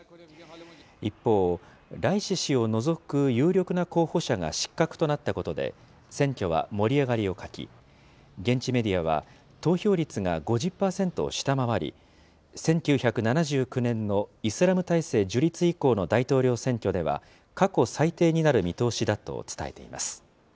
一方、ライシ師を除く有力な候補者が失格となったことで、選挙は盛り上がりを欠き、現地メディアは、投票率が５０％を下回り、１９７９年のイスラム体制樹立以降の大統領選挙では、過去最低になる見通しだと伝えています。